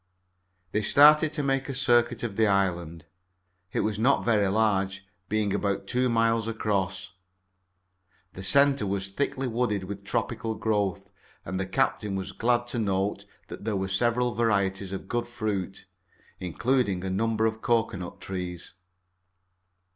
They started to make a circuit of the island. It was not very large, being about two miles across. The center was thickly wooded with tropical growth, and the captain was glad to note that there were several varieties of good fruit, including a number of cocoanut trees.